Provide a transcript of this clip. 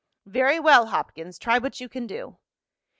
"Very well, Hopkins. Try what you can do."